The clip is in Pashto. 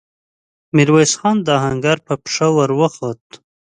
ميرويس خان د آهنګر پر پښه ور وخووت.